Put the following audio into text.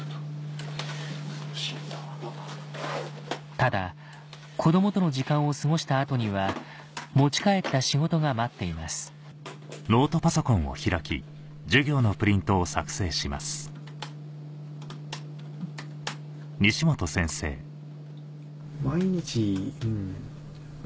ただ子どもとの時間を過ごした後には持ち帰った仕事が待っていますって思いますね。